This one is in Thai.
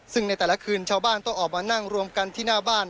ซึ่งในแต่ละคืนชาวบ้านต้องออกมานั่งรวมกันที่หน้าบ้าน